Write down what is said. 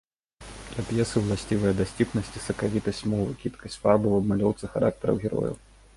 Для п'есы ўласцівыя дасціпнасць і сакавітасць мовы, кідкасць фарбаў у абмалёўцы характараў герояў.